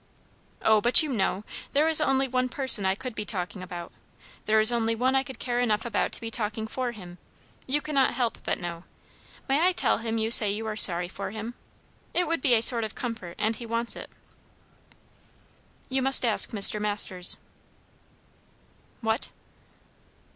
"O, but you know! There is only one person I could be talking about. There is only one I could care enough about to be talking for him. You cannot help but know. May I tell him you say you are sorry for him? It would be a sort of comfort, and he wants it." "You must ask Mr. Masters." "What?"